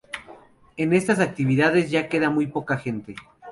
En estas actividades ya queda muy poca gente.